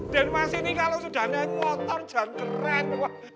den mas ini kalau sudah naik motor jangan keren